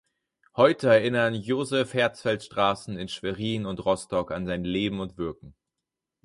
Heute erinnern Joseph-Herzfeld-Straßen in Schwerin und Rostock an sein Leben und Wirken.